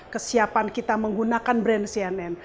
kesiapan kita menggunakan brand cnn